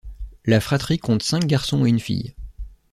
La fratrie compte cinq garçons et une fille.